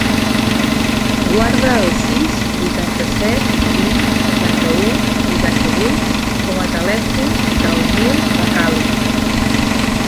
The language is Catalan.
Guarda el sis, vuitanta-set, vint, seixanta-u, vuitanta-vuit com a telèfon del Nil Bakkali.